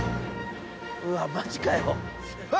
うわマジかよ。